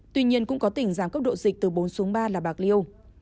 tuy nhiên cũng có tỉnh giảm cấp độ dịch từ bốn xuống ba là bạc liêu